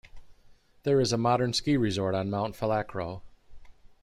There is a modern ski resort on Mount Falakro.